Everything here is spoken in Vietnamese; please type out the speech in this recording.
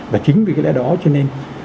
và chính vì cái đó cho nên